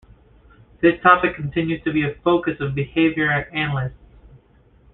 This topic continues to be a focus for behavior analysts.